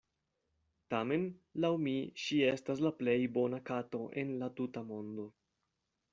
Tamen, laŭ mi, ŝi estas la plej bona kato en la tuta mondo.